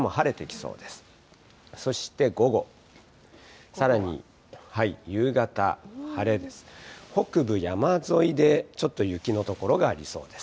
そして午後、さらに夕方、晴れです。